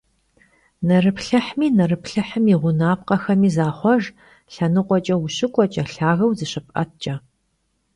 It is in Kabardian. Nerıplhıhmi, nerıplhıhım yi ğunapkhemi zaxhuejj lhenıkhueç'e vuşık'ueç'e, lhageu zışıp'etç'e.